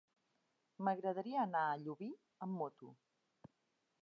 M'agradaria anar a Llubí amb moto.